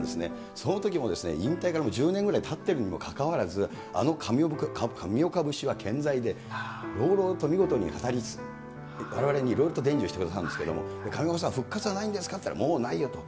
そのときもですね、引退からもう１０年ぐらいたっているにもかかわらず、あの上岡節は健在で、朗々と見事に語りつ、われわれにいろいろと伝授してくださるんですけれども、上岡さん、復活はないんですか、もうないよと。